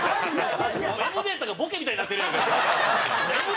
エム・データがボケみたいになってるやんか、今。